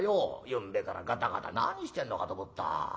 ゆんべからガタガタ何してんのかと思った。